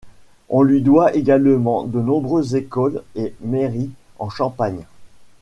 On lui doit également de nombreuses écoles et mairies en Champagne.